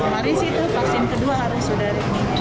hari itu vaksin kedua harus sudah